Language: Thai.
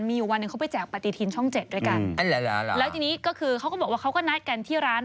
มีอยู่วันหนึ่งเขาไปแจกปฏิทินช่องเจ็ดด้วยกันแล้วทีนี้ก็คือเขาก็บอกว่าเขาก็นัดกันที่ร้าน